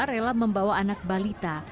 rela membawa anak balita